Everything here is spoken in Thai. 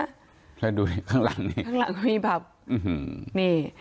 ใช่ดูข้างหลังนี่